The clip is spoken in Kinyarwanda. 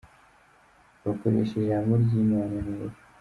Bakoresha ijambo ryimana neza